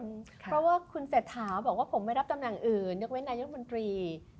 เพราะว่าคุณเศรษฐาบอกว่าผมไม่รับตำแหน่งอื่นยกเว้นนายกมนตรี